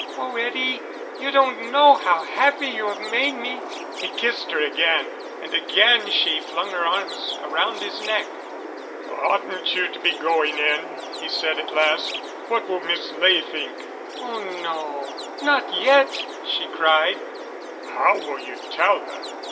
Oh, Eddie, you don't know how happy you have made me." He kissed her again, and again she flung her arms around his neck. "Oughtn't you to be going in," he said at last; "what will Miss Ley think?" "Oh no not yet," she cried. "How will you tell her?